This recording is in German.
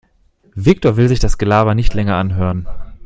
Viktor will sich das Gelaber nicht länger anhören.